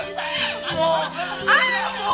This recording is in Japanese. もうあもう！